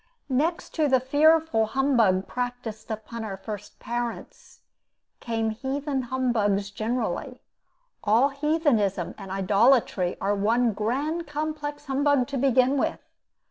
Next to the fearful humbug practiced upon our first parents, came heathen humbugs generally. All heathenism and idolatry are one grand complex humbug to begin with.